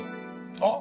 あっ！